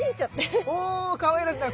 おかわいらしい。